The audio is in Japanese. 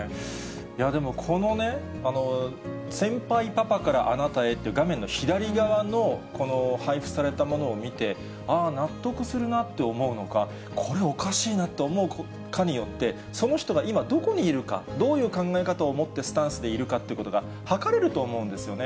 でもこのね、先輩パパからあなたへって画面の左側のこの配布されたものを見て、あー、納得するなって思うのか、これおかしいと思うのかによって、その人が今、どこにいるか、どういう考え方を持って、スタンスでいるかってことがはかれると思うんですよね。